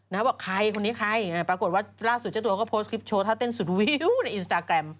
บอกใครคนนี้ใครปรากฏว่าล่าสุดเจ้าตัวก็โพสต์คลิปโชว์ท่าเต้นสุดวิวในอินสตาแกรม